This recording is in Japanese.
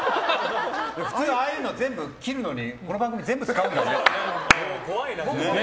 ああいうの、全部切るのにこの番組全部使うんだね。